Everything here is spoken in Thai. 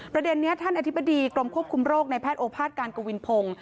ประเด็นนี้ท่านอธิบดีกรมควบคุมโรคในแพทย์โอภาษการกวินพงศ์